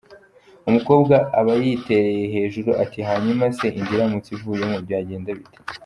Umukobwa aba yitereye hejuru ati hanyuma se inda iramutse ivuyemo byagenda bite ?